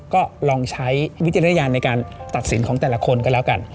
ก็ลองใช้วิจารณญาณในการตัดสินของแต่ละคนก็แล้วกัน